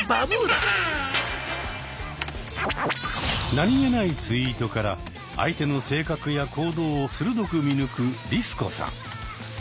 何気ないツイートから相手の性格や行動を鋭く見抜くリス子さん。